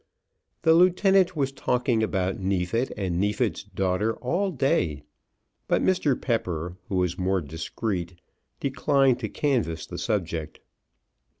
The lieutenant was talking about Neefit and Neefit's daughter all day: but Mr. Pepper, who was more discreet, declined to canvass the subject.